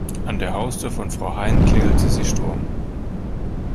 An der Haustür von Frau Hein klingelte sie Sturm.